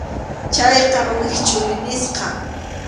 Chayqa wischʼuy nisqam.